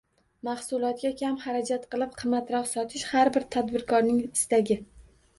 Mahsulotga kam xarajat qilib qimmatroq sotish – har bir tadbirkorning istagi.